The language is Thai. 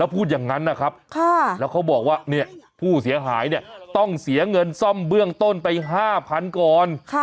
แล้วพูดอย่างนั้นนะครับแล้วเขาบอกว่าผู้เสียหายต้องเสียเงินซ่อมเบื้องต้นไป๕แพนนิดหนึ่งก่อน